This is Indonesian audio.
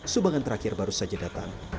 sumbangan terakhir baru saja datang